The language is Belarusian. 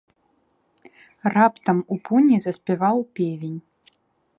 Раптам у пуні заспяваў певень.